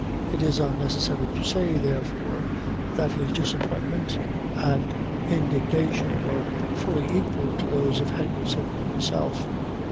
It is unnecessary to say, therefore, that his disappointment and indignation were fully equal to those of Henderson himself.